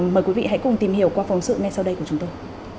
mời quý vị hãy cùng tìm hiểu qua phóng sự ngay sau đây của chúng tôi